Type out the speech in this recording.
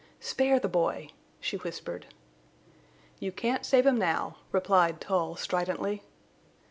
"Spare the boy!" she whispered. "You can't save him now," replied Tull stridently.